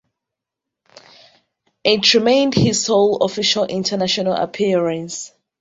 It remained his sole official international appearance.